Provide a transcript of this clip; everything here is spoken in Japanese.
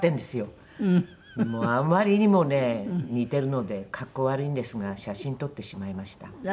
もうあまりにもね似てるので格好悪いんですが写真撮ってしまいました。